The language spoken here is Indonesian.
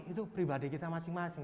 itu pribadi kita masing masing